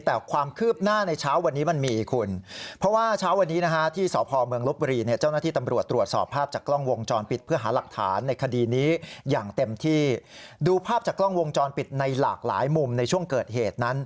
แต่ความคืบหน้าในเช้าวันนี้มันมีอีกคุณ